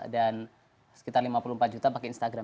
dan sekitar lima puluh empat juta pakai instagram